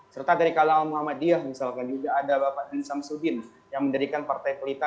serta dari kalang muhammadiyah misalkan juga ada bapak bin samsudin yang mendirikan partai kelita